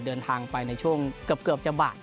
เดินทางไปในช่วงเกือบจะบ่าย